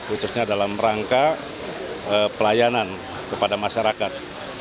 khususnya dalam rangka pelayanan kepada masyarakat